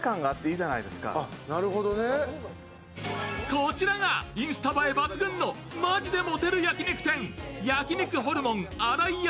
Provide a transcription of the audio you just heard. こちらがインスタ映え抜群のマヂでモテる焼肉店、焼肉ホルモン新井屋